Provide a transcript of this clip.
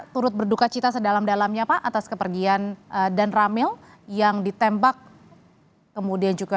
turut berduka cita sedalam dalamnya pak atas kepergian dan ramil yang ditembak kemudian juga